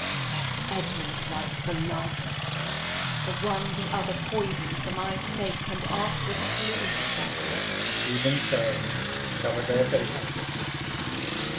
Edm. Yet Edmund was belov'd. The one the other poisoned for my sake, And after slew herself. Alb. Even so. Cover their faces.